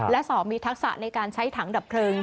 และ๒มีทักษะในการใช้ถังดับเพลิง